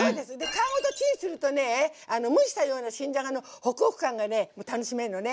皮ごとチンするとね蒸したような新じゃがのホクホク感がね楽しめるのね！